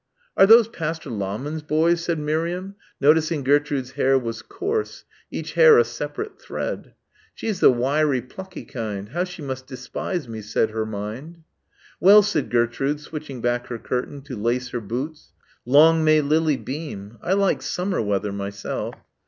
"Are those Pastor Lahmann's boys?" said Miriam, noticing that Gertrude's hair was coarse, each hair a separate thread. "She's the wiry plucky kind. How she must despise me," said her mind. "Well," said Gertrude, switching back her curtain to lace her boots. "Long may Lily beam. I like summer weather myself."